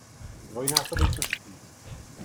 Zdvojnásobit množství!